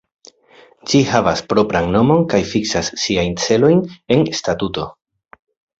Ĝi havas propran nomon kaj fiksas siajn celojn en statuto.